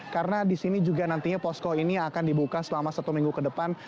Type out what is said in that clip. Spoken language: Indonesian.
karena di sini juga nantinya posko ini akan dibuka selama satu minggu ke depan